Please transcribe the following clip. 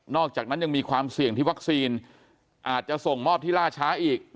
อกจากนั้นยังมีความเสี่ยงที่วัคซีนอาจจะส่งมอบที่ล่าช้าอีก